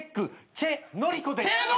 チェ・ノリコなの！？